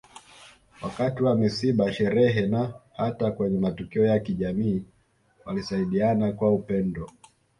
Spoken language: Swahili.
Wakati wa misiba sherehe na hata kwenye matukio ya kijamii walisaidiana kwa upendo